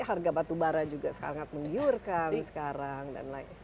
agar batu bara juga sangat menggiurkan sekarang dan lain